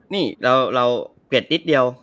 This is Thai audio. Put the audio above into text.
นี่เราเปลี่ยนนิดเดียว